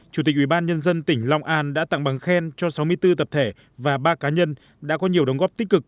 chủ tịch ubnd tỉnh long an đã tặng bằng khen cho sáu mươi bốn tập thể và ba cá nhân đã có nhiều đóng góp tích cực